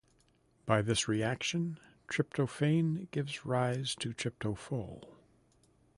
By this reaction, tryptophan gives rise to tryptophol.